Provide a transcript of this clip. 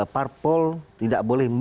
parpol tidak boleh